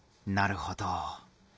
なるほど。